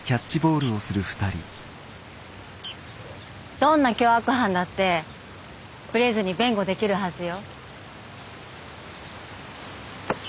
どんな凶悪犯だってぶれずに弁護できるはずよ。